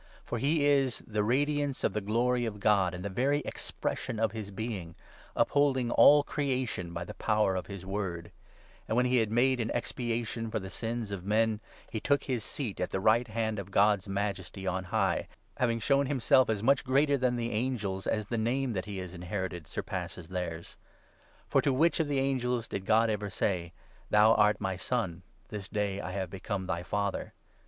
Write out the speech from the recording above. For he is the radiance of the Glory of God and the very expression of his Being, upholding all creation by the power of his word ; and, when he had made an expiation for the sins of men, he ' took his seat at the right hand ' of God's Majesty on high, having shown himself as much greater than the angels as the Name that he has inherited surpasses theirs. For to which of the angels did God ever say — 1 Thou art my Son ; this day I have become thy Father